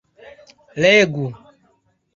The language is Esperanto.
legu